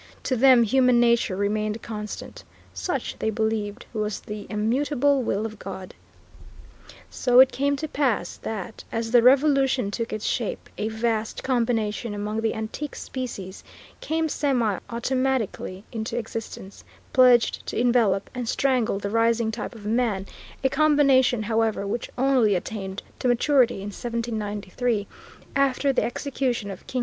To them human nature remained constant. Such, they believed, was the immutable will of God. So it came to pass that, as the Revolution took its shape, a vast combination among the antique species came semi automatically into existence, pledged to envelop and strangle the rising type of man, a combination, however, which only attained to maturity in 1793, after the execution of the King.